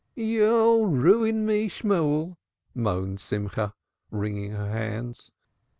"You'll ruin me, Shemuel!" moaned Simcha, wringing her hands.